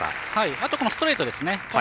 あとストレートですね。